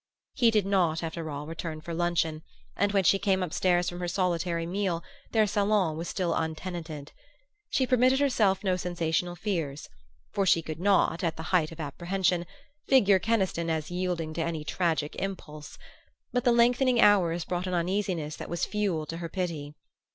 He did not, after all, return for luncheon; and when she came up stairs from her solitary meal their salon was still untenanted. She permitted herself no sensational fears; for she could not, at the height of apprehension, figure Keniston as yielding to any tragic impulse; but the lengthening hours brought an uneasiness that was fuel to her pity.